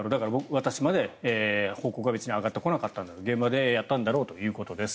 私まで報告は上がってこなかった現場でやったんだろうということです。